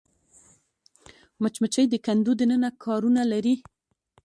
مچمچۍ د کندو دننه کارونه لري